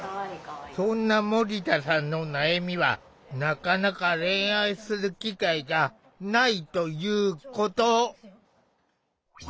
そんな森田さんの悩みはなかなか恋愛する機会がないということ。